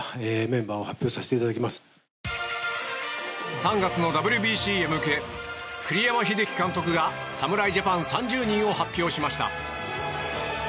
３月のＷＢＣへ向け栗山英樹監督が侍ジャパン３０人を発表しました。